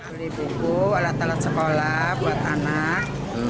beli buku alat alat sekolah buat anak